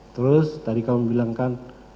terus tadi kamu bilang kan